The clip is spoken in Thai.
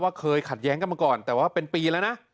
เคยขัดแย้งกันมาก่อนแต่ว่าเป็นปีแล้วนะ